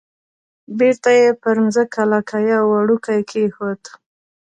بیرته یې پر مځکه لکه یو وړوکی کېښود.